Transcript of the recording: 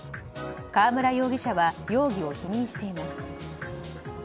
河邨容疑者は容疑を否認しています。